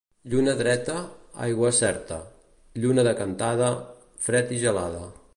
Lluna dreta, aigua certa; lluna decantada, fred i gelada.